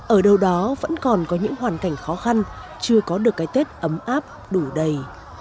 ở đâu đó vẫn còn có những hoàn cảnh khó khăn chưa có được cái tết ấm áp đủ đầy